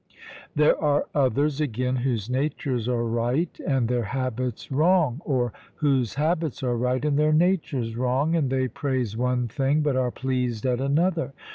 There are others, again, whose natures are right and their habits wrong, or whose habits are right and their natures wrong, and they praise one thing, but are pleased at another.